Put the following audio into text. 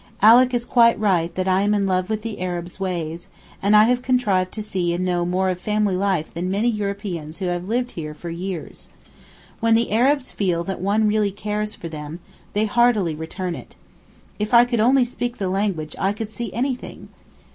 Alick is quite right that I am in love with the Arabs' ways, and I have contrived to see and know more of family life than many Europeans who have lived here for years. When the Arabs feel that one really cares for them, they heartily return it. If I could only speak the language I could see anything.